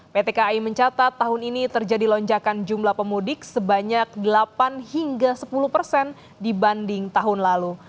pt kai mencatat tahun ini terjadi lonjakan jumlah pemudik sebanyak delapan hingga sepuluh persen dibanding tahun lalu